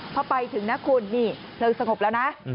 พอไปถึงนะคุณนี่เพลิงสงบแล้วนะ